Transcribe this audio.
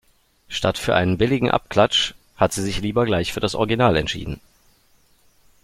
Statt für einen billigen Abklatsch hat sie sich lieber gleich für das Original entschieden.